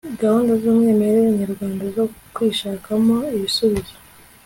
gahunda z'umwimerere nyarwanda zo kwishakamo ibisubizo